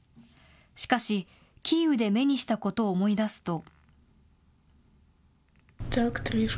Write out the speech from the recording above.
しかしキーウで目にしたことを思い出すと。